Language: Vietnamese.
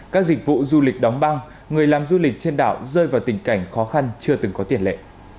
các dịch vụ du lịch đóng băng người làm du lịch trên đảo rơi vào tình cảnh khó khăn chưa từng có tiền lệ